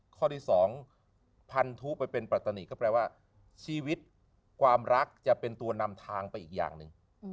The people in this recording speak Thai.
ข้อที่๒พันธุไปเป็นปัตตานีก็แปลว่าชีวิตความรักจะเป็นตัวนำทางไปอีกอย่างหนึ่ง